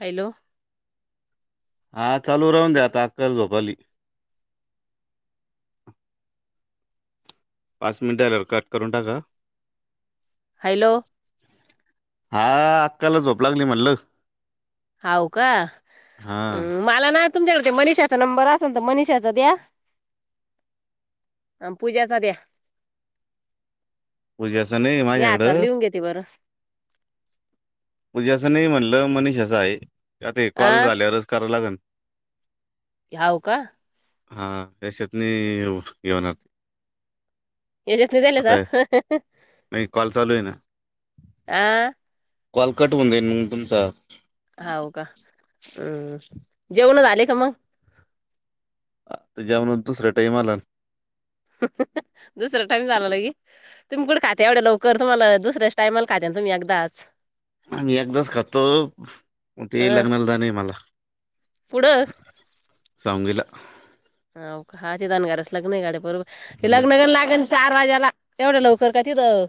Hello. हा चालू राहून द्या हॅलो आता अक्काला झोप आली. पाच मिनिटं झाल्यावर कट करून टाका. हॅलो. हा अक्काला झोप लागली म्हटलं. हाव का? हा मला ना तुमच्याकडं ते मनीषाचा नंबर असेल तर मनीषाचा द्या. अन् पूजाचा दया. पूजाचं नाही मी हातावर माझ्याकडं लिहून घेते बरं. पुज्याचा नाही म्हणलं, मनीष्याचा आहे आता कॉल अ झाल्यावरचं करावं लागल. ह्याव का? हां त्याशत नाही हे होणार. याच्यात नाही कॉल चालू आहे ना [unintelligible] आ? कॉल कट होऊन दे न तुमचा. हव का? हम्म जेवण झाले का मग? आत्ता जेवणाचा दुसरा टाईम आला. दुसरा टाईम झाला लागी? तुम्ही कुठं खाते एवढ्या लवकर. तुम्हाला दुसऱ्याचं टायमाला खातेन तुम्ही एकदाचं. आम्ही एकदाचं खातो ते अ लग्नाला जाणे मला. पुढं? सांगलीला. हो का? हा ते दनगारास लग्न गाडे बरोबर, ते हम्म. लग्न लागन चार वाज्याला, तेवढं लवकर काय तिथं?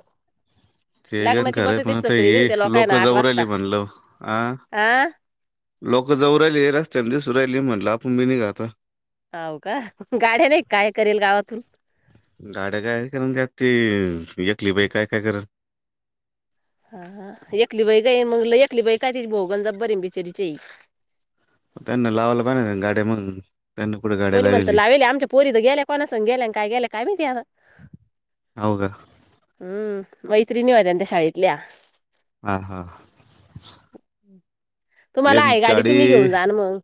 ते पण लग्नाची खरंय बटाटे पण आता सगळी नेली ही त्या लोक लोकांना आठ जाऊ राहिली वाजता म्हणलं. आ? आ लोकं जाऊ राहिली रस्त्याने दिसू राहिली म्हटलं आपण बी निघा आता. हो का गाड्या नाही काय करेल गावातून? गाड्या काय करण त्यात ती यकली बाई काय काय करणं? हा हा एकली बाई काय मग एकली बाई काय त भोगण ज बरे बिचरीचे. त्यांना लावायला पायजे ना गाड्या मंग? त्यांन कुठं कोणी म्हणतं लावेल. आमच्या पोरी तर गेल्या कोणा संग गेल्यान काय गेल्या काय माहिती आता. हाव का? हम्म, मैत्रिणी होत्यानं त्या शाळेतल्या. हा हा तुम्हाला एक आहे गाडी तुम्ही घेऊन जान मंग.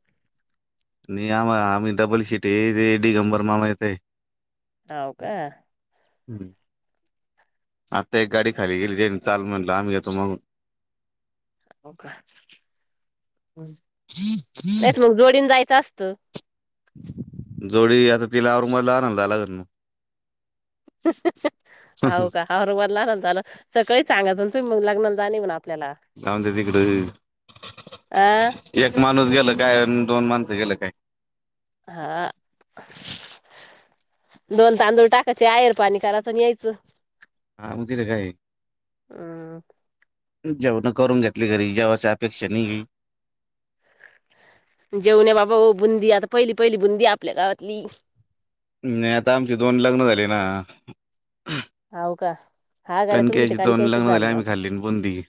नाई आम्हा आम्ही डबल शीटयेे ते डीगंबर मामा येते. हाव का. हम्म,, आता एक गाडी खाली गेली जे चाल म्हणलं आम्ही तुम्हाला मग [inaudible] का नाहीत मग, जोडीन जायचं असतं. जोडी, आता तिला आवरमला [inaudible] लागल मग. हो का ह औरवाडला लाग झालं, सकाळी [inaudible] चांगा जाल तु लग्न जाणे म्ह जाऊंदे तिकडं,, आ एक माणूस गेल काय अन दोन माणसं गेलं काय हा.. दोन तांदूळ टाकायचे, आयर पाणी करायचं आणी यायचं. ह [unintelligible] म काय अं जेवणं करून घेतली घरी,, जेवाची अपेक्षा नई. जेवण आहे बाबा बुंदी,, आता पहिली पहिली बुंदीय आपल्या गावातली. नाही आता आमचे दोन लग्नं झाले ना हो का, हा गाड्या कणक्याची तुमच्याथ आणखी दोन याच्या लग्न झाले जालं आम्ही आता. खाल्ली ना बुंदी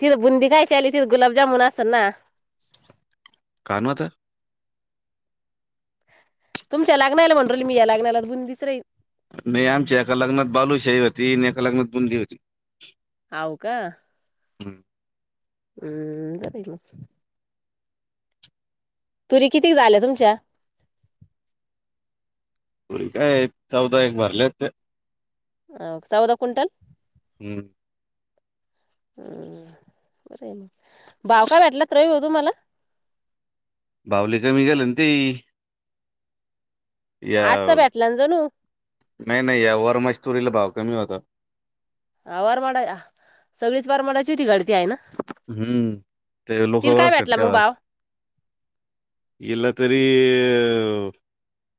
तिथं बुंदी कायची आली तिथं गुलाबजामुन असल ना. कान होतं. तुमच्या लाग्नाला म्हंणु राले मी या लगनाला बूंदिच राई नाही, आमच्या एका लग्नात बालूशाही होती. आणि एका लग्नात बुंदी होती. हाव का,, हम्म. हम्म,, बरंय मग. तुरी किती झाल्या तुमच्या.? काय, चौदा एक भरल्या होत्या. अ सौदा क्विंटल. हम्म. हम्म, बरय मग,, भाव काय भेटलात रवी भाऊ तुमाला? भाव लय कमी गेलं न ते,, आठचा याव भेटला ना जणू नाही नाही या वर म तुरीला भाव कमी होता. हा वारमाडा,, सगळीच वारमाडाची होती गाडी ती आहे ना. हम्म,, ते तिला लोकं काय ओळखतात भेटला मग भाव तेव्हाच.. ईला तरी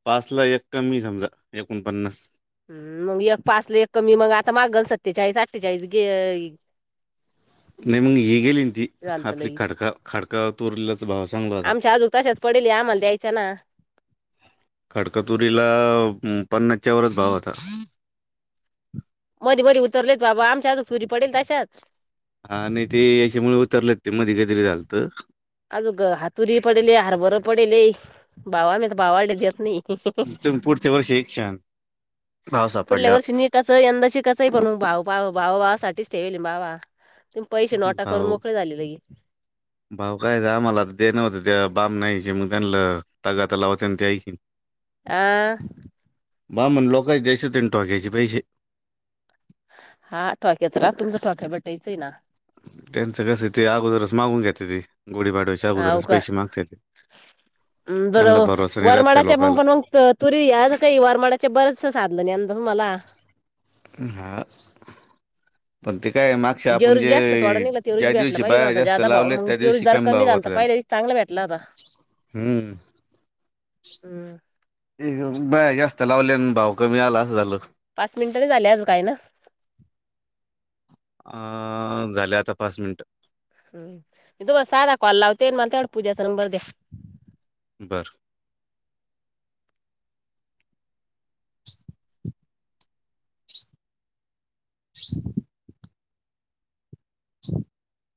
पाच ला एक कमी समजा,,, एकोणपन्नास. हम् मग एक पाचला एक कमी मग, आता मागल सत्तेचाळीस अठ्ठेचाळीस गे नाही मग ही गेली ना ती,, आपली खडका खडका तोरल्याच भाव सांगला आता. पडेली आम्हाला द्यायच्या ना. खडकातुरीला,, अ पन्नासच्या वरच भाव होता. मध्ये मध्ये उतरल्येत बाबा आमच्या आत तुरी पडेल त्याच्यात. हा आणि ते याच्यामुळे उतरलत,, ते मध्ये काहीतरी झालतं. अजूक हा तुरी पडेल हरबरं पडेलेय. भावा मी तर भावाडे देत नाही. तर पुढच्या वर्षी एक छान भाव सापड ल्या वर्षी निकच यंदा श कच आहे पण भा भा भावा साच ठेवेल बावा. तुम्ही पैसे नोटा करून भाव मोकळे झाले लगे. भाव काय? आम्हाला देणं होतं ते बामणायचे,, मग त्यांला तगाता लावते आणि ते ऐ. आ बामण लोकंच द्यायचं तीन टोक्याचे पैशे. हा, ठोक्याच रा तुमचं [unintelligible] ना. त्यांचं कसं ते अगोदरच मागुन घेत्याती, गुढी पाडव्याचं अव का त्यांना बरं भरोसा नाही राहत त्या वरमाडा च लोकांना [unintelligible] तुरी काही वारमाड्याच्या बरेचस साधलं नाही अ [unintelligible] मला. ह [inaudible] जेववरी जास्त थोडा निघला तेवची ज्या भेटला दिवशी पाहिजे ना बाया आता जास्त जादा भाव लावलेत मग त्या तेववरी दिवशी दार कमी भाव झालता होता त्यांना पाहिला चांगलं भेटलाता. हम्म हम [unintelligible] बाया जास्त लावल्या आणि भाव कमी झाला असं झालं. पाच मिनिट नाही झाले आज काय ना. अ झाल्या आता पाच मिनटं. हम् मी तुम्हाला साधा कॉल लावते मला तेवढं पूज्याचा नंबर द्या. बरं [unintelligible] [unintelligible] [unintelligible]